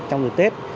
trong dịp tết